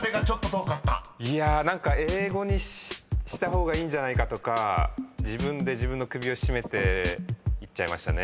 何か英語にした方がいいんじゃないかとか自分で自分の首を絞めていっちゃいましたね。